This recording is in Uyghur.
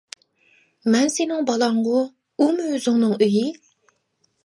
مەن سېنىڭ بالاڭغۇ، ئۇمۇ ئۆزۈڭنىڭ ئۆيى.